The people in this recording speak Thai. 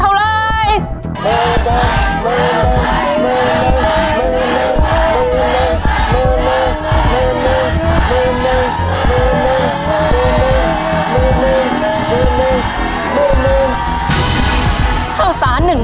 ระวังนะครับ